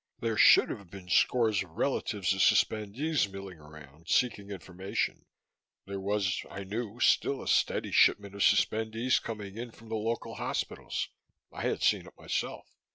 There should have been scores of relatives of suspendees milling around, seeking information there was, I knew, still a steady shipment of suspendees coming in from the local hospitals; I had seen it myself.